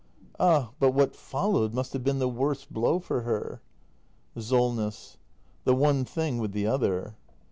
Ah, but what followed must have been the worst blow for her. Solness. The one thing with the other.